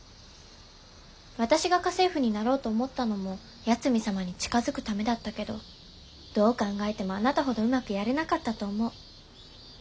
私が家政婦になろうと思ったのも八海サマに近づくためだったけどどう考えてもあなたほどうまくやれなかったと思う。